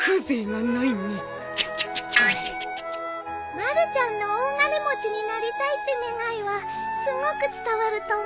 まるちゃんの「大金持ちになりたい」って願いはすごく伝わると思うけど。